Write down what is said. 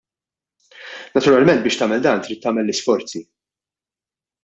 Naturalment biex tagħmel dan trid tagħmel l-isforzi.